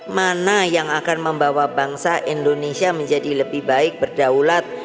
mana yang akan membawa bangsa indonesia menjadi lebih baik berdaulat